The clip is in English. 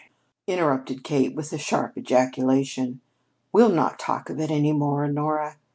interrupted Kate with a sharp ejaculation; "we'll not talk of it any more, Honora.